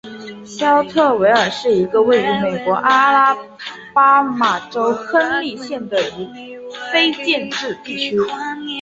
肖特维尔是一个位于美国阿拉巴马州亨利县的非建制地区。